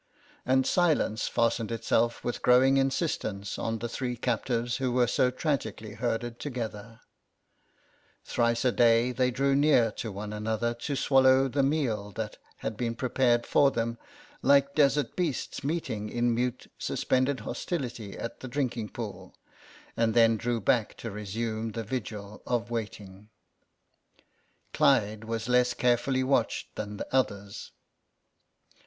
And silence fastened itself with growing insistence on the three captives who were so tragically herded together; thrice a day they drew near to one another to swallow the meal that had been prepared for them, like desert beasts meeting in mute suspended hostility at the drinking pool, and then drew back to resume the vigil of waiting. Clyde was less carefully watched than the others.